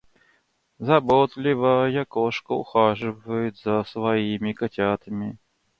Заботливая кошка ухаживает за своими котятами.